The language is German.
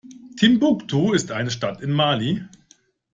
Timbuktu ist eine Stadt in Mali.